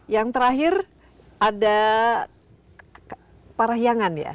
yang terakhir ada parahyangan ya